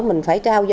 mình phải trao dồi